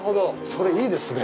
それ、いいですね！